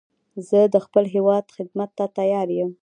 زه د خپل هېواد خدمت ته تیار یم